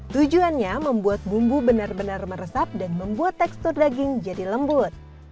tujuannya membuat bumbu benar benar meresap dan membuat tekstur daging jadi lembut